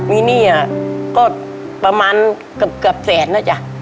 มีหนี้อ่ะก็ประมาณกับแสนแล้วจ้ะ